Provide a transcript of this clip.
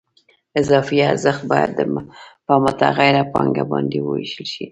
اضافي ارزښت باید په متغیره پانګه باندې ووېشل شي